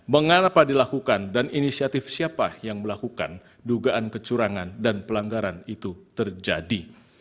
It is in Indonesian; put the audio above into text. mengapa dilakukan dan inisiatif siapa yang melakukan dugaan kecurangan dan pelanggaran itu terjadi